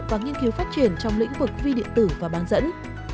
và nghiên cứu phát triển trong lĩnh vực vi điện tử và bán dẫn